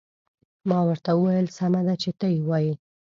ما ورته وویل: سمه ده، چې ته يې وایې.